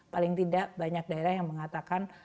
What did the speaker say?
paling tidak banyak daerah yang mengatakan